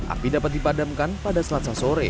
api dapat dipadamkan pada selasa sore